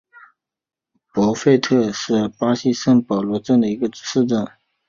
博费特是巴西圣保罗州的一个市镇。